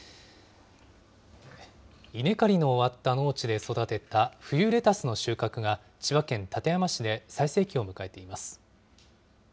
稲刈りの終わった農地で育てた冬レタスの収穫が、千葉県館山市で最盛期を迎えています。